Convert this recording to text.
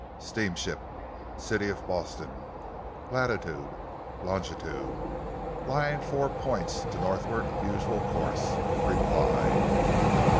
"Steamship City of Boston, lat.... long.... lying four points to northward of usual course. Reply."